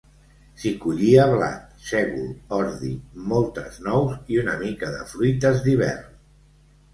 S'hi collia blat, sègol, ordi, moltes nous i una mica de fruites d'hivern.